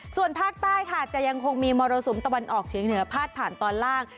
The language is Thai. ส่วนภาคใต้ค่ะจะยังคงมีมรสุมตะวันออกเฉียงเหนือพาดผ่านตอนล่าง